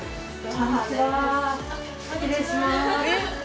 こんにちは。